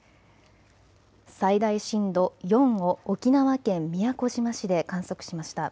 最大震度４を沖縄県宮古島市で観測しました。